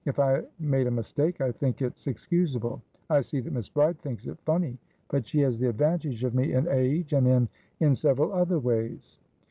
If I made a mistake, I think it's excusable. I see that Miss Bride thinks it funny, but she has the advantage of me in age, and inin several other ways."